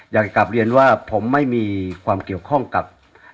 อยากจะกลับเรียนว่าผมไม่มีความเกี่ยวข้องกับ